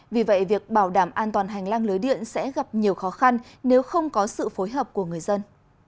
vì vậy việc bảo đảm an toàn hành lang lưới điện sẽ gặp nhiều khó khăn nếu không có sự phối hợp của người dân